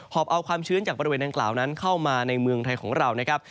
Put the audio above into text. อบเอาความชื้นจากบริเวณดังกล่าวนั้นเข้ามาในเมืองไทยของเรานะครับ